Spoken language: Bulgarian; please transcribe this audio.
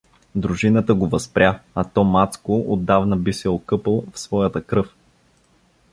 Дружината го възпря, а то Мацко отдавна би се окъпал в своята кръв.